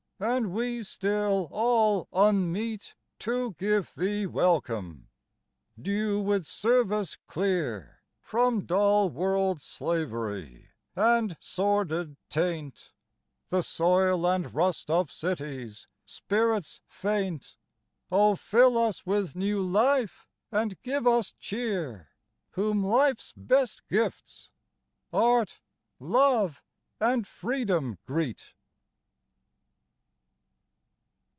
And we still all unmeet To give thee welcome? Due with service clear From dull world's slavery, and sordid taint, The soil and rust of cities, spirits faint— O fill us with new life, and give us cheer, Whom life's best gifts—Art, Love, and Freedom greet.